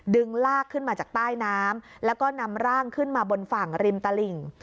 ลากขึ้นมาจากใต้น้ำแล้วก็นำร่างขึ้นมาบนฝั่งริมตลิ่ง